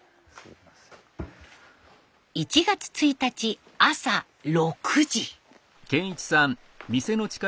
１月１日朝６時。